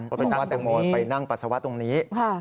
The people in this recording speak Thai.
ก็บอกแตงโมคงไปนั่งปัสสาวะตรงนี้